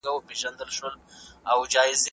زه به سبا انځور وګورم؟!